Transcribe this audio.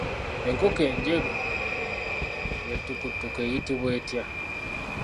Enkoko enjeru be ttukuttuku eyitibwa etya?